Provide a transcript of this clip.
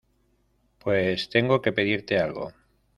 pues tengo que pedirte algo.